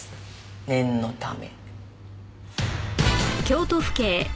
念のため。